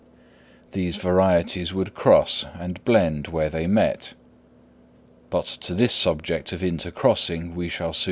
These varieties would cross and blend where they met; but to this subject of intercrossing we shall soon have to return.